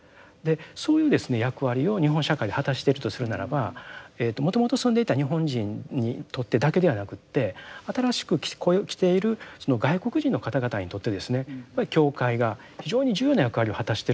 そういうですね役割を日本社会で果たしているとするならばもともと住んでいた日本人にとってだけではなくて新しく来ているその外国人の方々にとってですねやっぱり教会が非常に重要な役割を果たしているということをですね